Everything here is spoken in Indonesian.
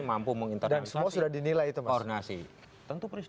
mampu menginternalisasi koordinasi